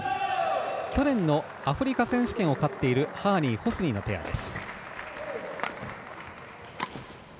去年のアフリカ選手権を勝っているハーニー、ホスニィのペアです。